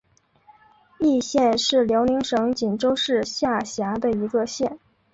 义县是辽宁省锦州市下辖的一个县。